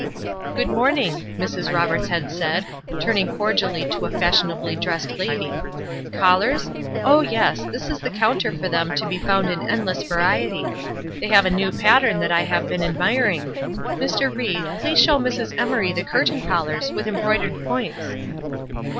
"Good morning," Mrs. Roberts had said, turning cordially to a fashionably dressed lady. "Collars? Oh, yes, this is the counter for them to be found in endless variety. They have a new pattern that I have been admiring. Mr. Ried, please show Mrs. Emory the curtain collars, with embroidered points."